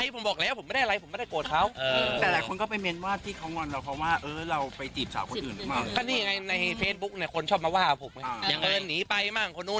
พวกเกิดมานี่คุยกันอยู่